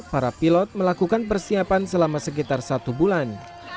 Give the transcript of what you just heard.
para pilot melakukan persiapan selama sekitar satu bulan